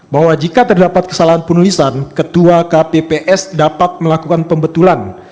bahwa jika terdapat kesalahan penulisan ketua kpps dapat melakukan pembetulan